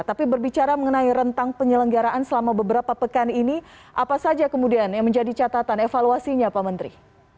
tapi berbicara mengenai rentang penyelenggaraan selama beberapa pekan ini apa saja kemudian yang menjadi catatan evaluasinya pak menteri